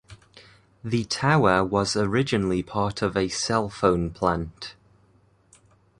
The tower was originally part of a cell phone plant.